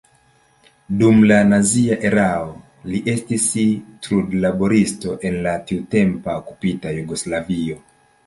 Dum la nazia erao li estis trudlaboristo en la tiutempa okupita Jugoslavio.